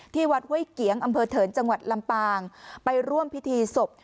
วัดห้วยเกียงอำเภอเถินจังหวัดลำปางไปร่วมพิธีศพ